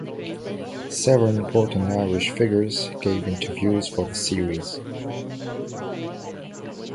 Several important Irish figures gave interviews for the series.